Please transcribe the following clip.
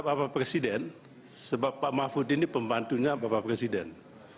bapak presiden sebab pak mahfud ini pembantunya bapak presiden